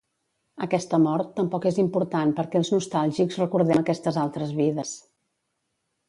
Aquesta mort tampoc és important perquè els nostàlgics recordem aquestes altres vides.